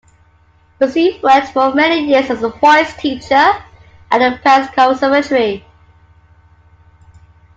Bussine worked for many years as a voice teacher at the Paris Conservatory.